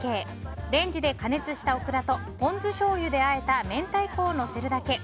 レンジで加熱したオクラとポン酢しょうゆであえた明太子をのせるだけ。